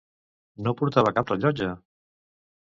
No portava cap rellotge?